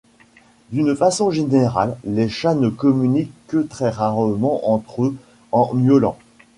D'une façon générale les chats ne communiquent que très rarement entre eux en miaulant.